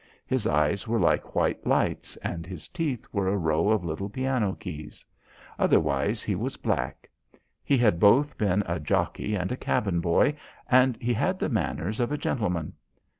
His eyes were like white lights, and his teeth were a row of little piano keys; otherwise he was black. He had both been a jockey and a cabin boy, and he had the manners of a gentleman.